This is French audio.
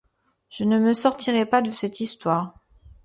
je ne me sortirai pas de cette histoire.